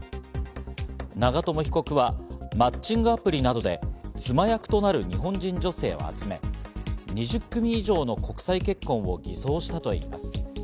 長友被告はマッチングアプリなどで、妻役となる日本人女性を集め、２０組以上の国際結婚を偽装したといいます。